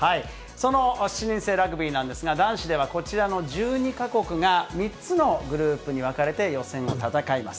その７人制ラグビーなんですが、男子ではこちらの１２か国が、３つのグループに分かれて予選を戦います。